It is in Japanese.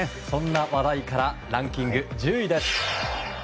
そんな話題からランキング１０位です。